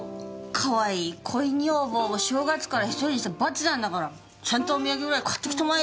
かわいい恋女房を正月から一人にした罰なんだからちゃんとお土産ぐらい買ってきたまえよ！